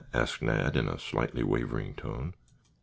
asked Nat, in a slightly wavering tone.